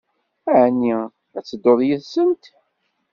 Ɛni ad tedduḍ yid-sent?